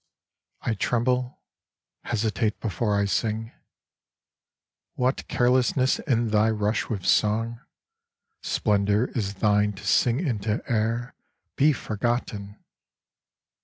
I tremble, hesitate before I sing : What carelessness in thy rush with song. Splendour is thine to sing into air, be forgotten